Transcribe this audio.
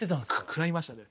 食らいましたね。